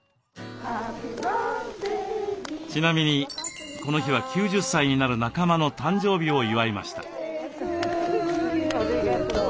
ちなみにこの日は９０歳になる仲間の誕生日を祝いました。